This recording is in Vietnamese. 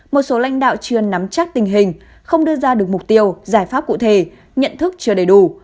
một số lãnh đạo chưa nắm chắc tình hình không đưa ra được mục tiêu giải pháp cụ thể nhận thức chưa đầy đủ